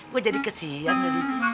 gue jadi kesian tadi